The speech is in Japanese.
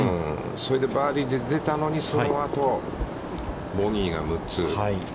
それでバーディーで出たのが、その後ボギーが６つ。